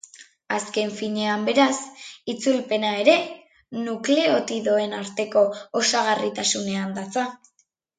Azken finean beraz, itzulpena ere nukleotidoen arteko osagarritasunean datza.